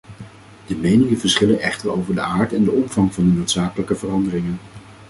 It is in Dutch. De meningen verschillen echter over de aard en de omvang van de noodzakelijke veranderingen.